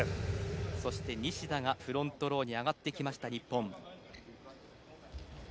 そして西田がフロントローに上がってきました、日本。